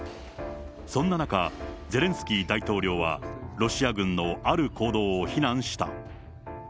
そんな中、ゼレンスキー大統領は、ロシア軍のある行動を非難した。